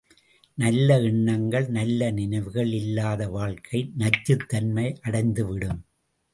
நல்ல எண்ணங்கள் நல்ல நினைவுகள் இல்லாத வாழ்க்கை நச்சுத்தன்மை அடைந்து விடும்.